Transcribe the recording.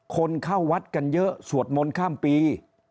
คนเข้าวัดกันเยอะสวดมนต์ข้ามปี